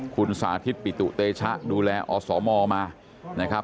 คุณสาธิตปิตุเตชะดูแลอสมมานะครับ